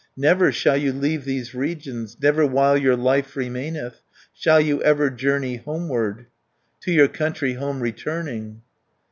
Never shall you leave these regions, Never while your life remaineth, Shall you ever journey homeward, To your country home returning."